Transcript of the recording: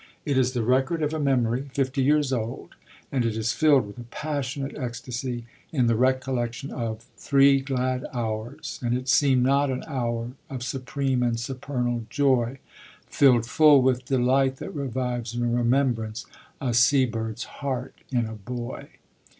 It is the record of a memory, fifty years old, and it is filled with a passionate ecstasy in the recollection of Three glad hours, and it seemed not an hour of supreme and supernal joy, Filled full with delight that revives in remembrance a sea bird's heart in a boy.